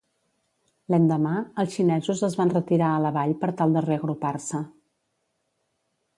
L'endemà, els xinesos es van retirar a la vall per tal de reagrupar-se.